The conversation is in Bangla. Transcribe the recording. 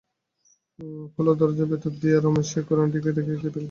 খোলা দরজার ভিতর দিয়া রমেশ সেই কেরানিটিকে দেখিতে পাইতেছিল।